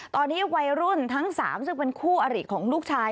ตอนนี้วัยรุ่นทั้ง๓ซึ่งเป็นคู่อริของลูกชาย